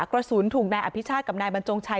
กระสุนถูกนายอภิชาติกับนายบรรจงชัย